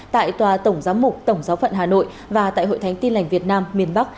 tại tòa tổng giám mục tổng giáo phận hà nội và tại hội thánh tin lành việt nam miền bắc